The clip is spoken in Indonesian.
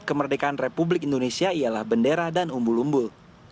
kemerdekaan republik indonesia ialah bendera dan umbul umbul